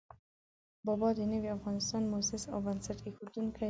بابا د نوي افغانستان مؤسس او بنسټ اېښودونکی دی.